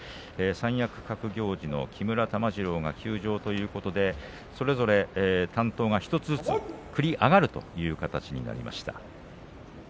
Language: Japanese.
三役格行司の木村玉治郎が休場ということでそれぞれ担当が１つずつ繰り上がるという形になります。